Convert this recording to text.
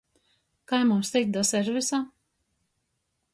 Kai mums tikt da servisa?